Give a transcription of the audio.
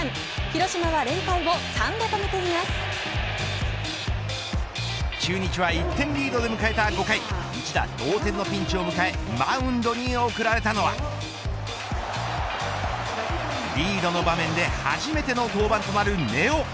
広島は連敗を中日は１点リードで迎えた５回一打同点のピンチを迎えマウンドに送られたのはリードの場面で初めての登板となる根尾。